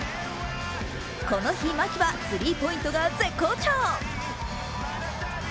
この日、牧はスリーポイントが絶好調。